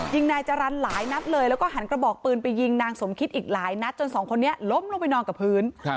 ยิงนายจรรย์หลายนัดเลยแล้วก็หันกระบอกปืนไปยิงนางสมคิดอีกหลายนัดจนสองคนนี้ล้มลงไปนอนกับพื้น